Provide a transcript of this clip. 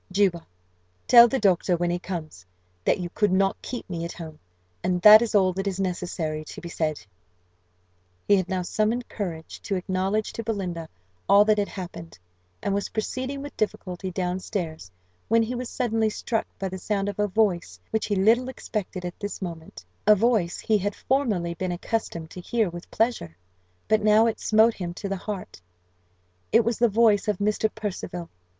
"Juba, tell the doctor, when he comes, that you could not keep me at home; and that is all that is necessary to be said." He had now summoned courage to acknowledge to Belinda all that had happened, and was proceeding, with difficulty, down stairs, when he was suddenly struck by the sound of a voice which he little expected at this moment; a voice he had formerly been accustomed to hear with pleasure, but now it smote him to the heart: it was the voice of Mr. Percival.